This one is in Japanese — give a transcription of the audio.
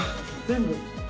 全部。